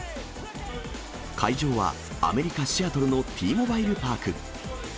会場はアメリカ・シアトルのＴーモバイルパーク。